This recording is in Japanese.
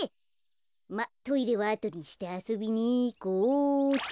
まあトイレはあとにしてあそびにいこうっと。